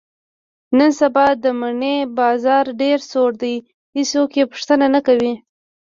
نن سبا د مڼې بازار ډېر سوړ دی، هېڅوک یې پوښتنه نه کوي.